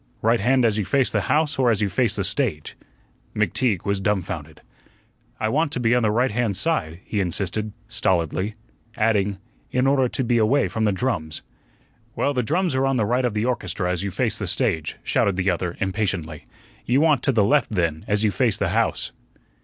"Right hand as you face the house or as you face the stage?" McTeague was dumfounded. "I want to be on the right hand side," he insisted, stolidly; adding, "in order to be away from the drums." "Well, the drums are on the right of the orchestra as you face the stage," shouted the other impatiently; "you want to the left, then, as you face the house."